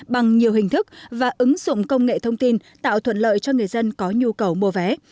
bằng nhiều hình thức và ứng dụng công nghệ thông tin tạo thuận lợi cho người dân có nhu cầu mua vé